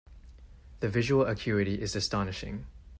The visual acuity is astonishing.